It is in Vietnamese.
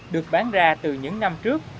được bán ra từ những năm trước